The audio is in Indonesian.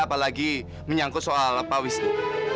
apalagi menyangkut soal pak wisnu